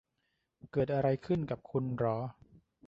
เกิดอะไรขึ้นกับคุณหรอ